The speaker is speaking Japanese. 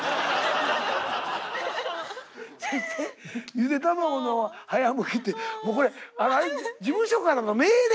「ゆで卵の早むき」ってもうこれ事務所からの命令？